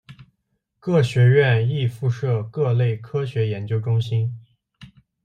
各学院亦附设各类科学研究中心。